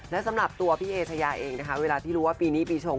และสำหรับตัวพี่เอชายาเองนะคะเวลาที่รู้ว่าปีนี้ปีชง